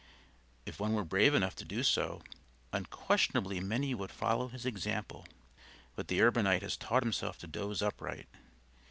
If one were brave enough to do so, unquestionably many would follow his example. But the urbanite has taught himself to doze upright.